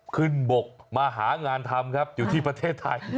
บกมาหางานทำครับอยู่ที่ประเทศไทย